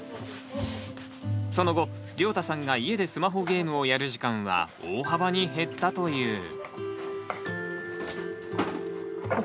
その後りょうたさんが家でスマホゲームをやる時間は大幅に減ったという。